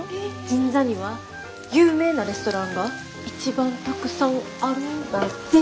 銀座には有名なレストランが一番たくさんあるんだぜ。